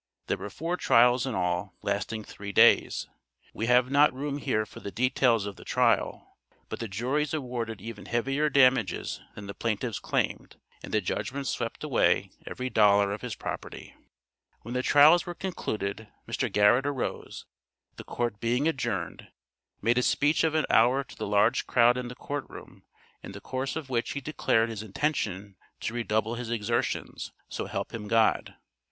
There were four trials in all, lasting three days. We have not room here for the details of the trial, but the juries awarded even heavier damages than the plaintiffs claimed, and the judgments swept away every dollar of his property. When the trials were concluded, Mr. Garrett arose, the court being adjourned, made a speech of an hour to the large crowd in the court room, in the course of which he declared his intention to redouble his exertions, so help him God.